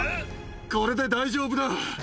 これで大丈夫だ！